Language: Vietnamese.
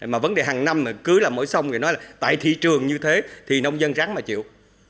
mà vấn đề hàng năm cứ là mỗi sông người nói là tại thị trường như thế thì nông dân rắn mà chịu